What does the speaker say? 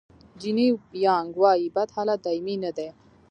جیني یانګ وایي بد حالت دایمي نه دی.